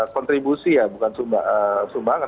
kontribusi ya bukan sumbangan